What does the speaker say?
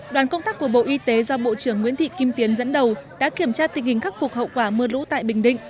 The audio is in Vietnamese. đoàn công tác của bộ y tế do bộ trưởng nguyễn thị kim tiến dẫn đầu đã kiểm tra tình hình khắc phục hậu quả mưa lũ tại bình định